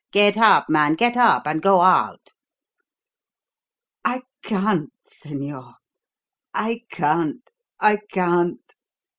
Get up, man; get up and go out." "I can't, señor I can't! I can't!"